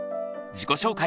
自己紹介